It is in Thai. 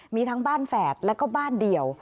มีทั้งบ้านแฝดแล้วก็บ้านเดียว